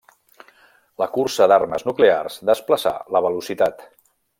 La cursa d'armes nuclears desplaçà la velocitat.